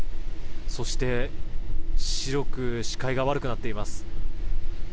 そして白く視界が悪くなっています。